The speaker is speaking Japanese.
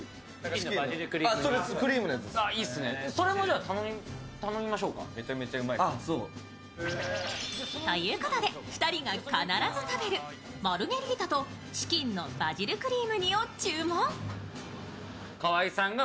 それも頼みましょうか。ということで２人が必ず食べるマルゲリータとチキンのバジルクリーム煮を注文。